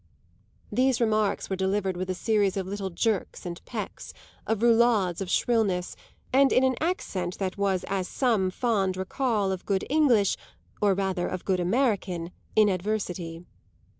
These remarks were delivered with a series of little jerks and pecks, of roulades of shrillness, and in an accent that was as some fond recall of good English, or rather of good American, in adversity.